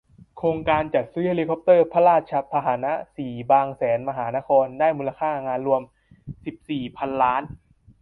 โครงการจัดซื้อเฮลิคอปเตอร์พระราชพาหนะ สี่ บางแสนมหานคร ได้มูลค่างานรวม สิบสี่ พันล้าน